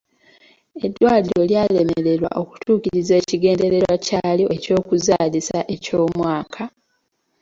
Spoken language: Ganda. Eddwaliro lyalemererwa okutuukiriza ekigendererwa kyalyo eky'okuzaalisa eky'omwaka.